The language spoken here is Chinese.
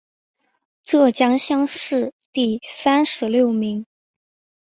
浙江乡试第三十六名。